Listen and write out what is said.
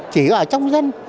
chỉ ở trong dân